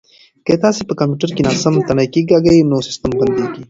که تاسي په کمپیوټر کې ناسم تڼۍ کېکاږئ نو سیسټم بندیږي.